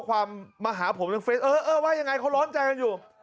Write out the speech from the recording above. ความมาหาผมในเฟสเออเออว่ายังไงเขาร้อนใจกันอยู่